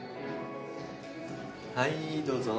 はいどうぞ。